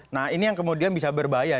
nah ini yang kemudian bisa berbahaya